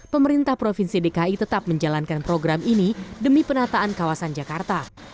pemerintah provinsi dki tetap menjalankan program ini demi penataan kawasan jakarta